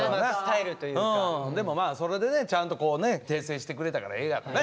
でもまあそれでねちゃんとこうね訂正してくれたからええやろね。